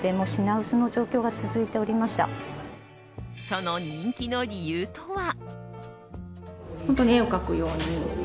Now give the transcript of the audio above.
その人気の理由とは？